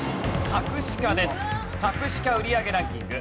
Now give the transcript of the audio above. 作詞家売り上げランキング。